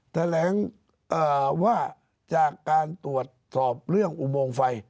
แถลงว่าจากการตรวจสอบเรื่องอุโมงไฟ